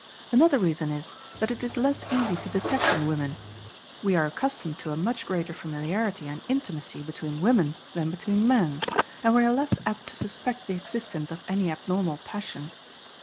Another reason is that it is less easy to detect in women; we are accustomed to a much greater familiarity and intimacy between women than between men, and we are less apt to suspect the existence of any abnormal passion.